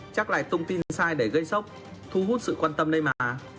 chắc lại thông tin sai để gây sốc thu hút sự quan tâm đây mà